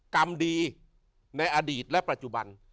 กรรมดีในอดีตและปัจจุบัน